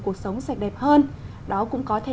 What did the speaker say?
cuộc sống sạch đẹp hơn đó cũng có thể